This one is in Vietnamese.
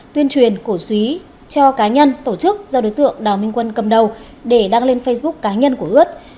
tuyên truyền cổ suý cho cá nhân tổ chức do đối tượng đào minh quân cầm đầu để đăng lên facebook cá nhân của ướt